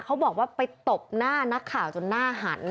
เขาบอกว่าไปตบหน้านักข่าวจนหน้าหัน